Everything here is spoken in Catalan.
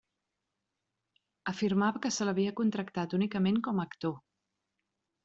Afirmava que se l’havia contractat únicament com a actor.